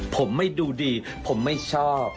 ผมไม่ดูดีผมไม่ชอบ